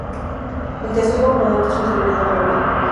El tercer componente es un servidor gráfico.